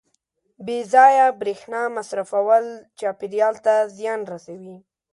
• بې ځایه برېښنا مصرفول چاپېریال ته زیان رسوي.